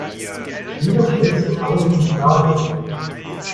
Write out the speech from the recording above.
Wieso stellst du alles infrage?